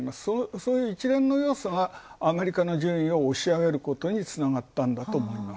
そういう一連の要素が、アメリカの順位を押し上げることにつながったんだと思います。